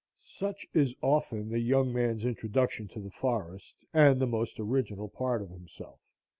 Such is oftenest the young man's introduction to the forest, and the most original part of himself.